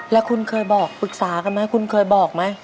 แล้วคุณเคยบอกปรึกษากันไหมคุณเคยบอกไหม